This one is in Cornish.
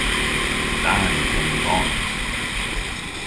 Da yw genev art.